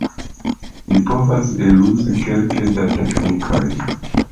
Ni povas eluzi kelke da teknikoj.